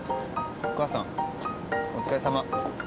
お母さんお疲れさま。